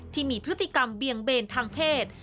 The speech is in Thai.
ที่มีพฤติกรรมเบียงเบนทางเพศ